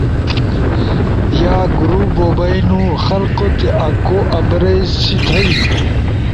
یا گروپ بو بئینو۔ خلقو تیا آکو ابرئی سی تھئی